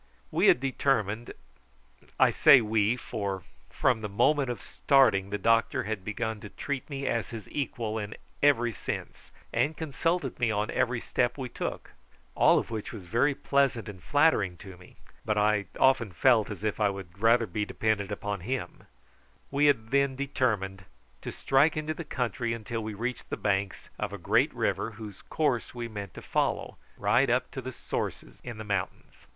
We had determined I say we, for from the moment of starting the doctor had begun to treat me as his equal in every sense, and consulted me on every step we took; all of which was very pleasant and flattering to me; but I often felt as if I would rather be dependent upon him we had then determined to strike into the country until we reached the banks of a great river, whose course we meant to follow right up to the sources in the mountains.